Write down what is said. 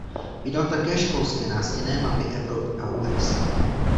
Vydal také školské nástěnné mapy Evropy a Uherska.